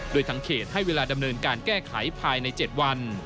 โดยทางเขตให้เวลาดำเนินการแก้ไขภายใน๗วัน